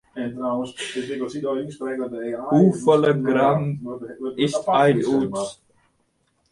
Hoefolle gram is ien ûns?